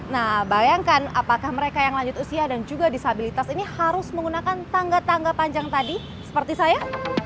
nah bayangkan apakah mereka yang lanjut usia dan juga disabilitas ini harus menggunakan tangga tangga panjang tadi seperti saya